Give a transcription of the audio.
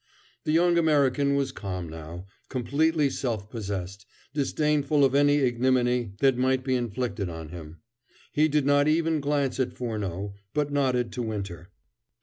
The young American was calm now, completely self possessed, disdainful of any ignominy that might be inflicted on him. He did not even glance at Furneaux, but nodded to Winter.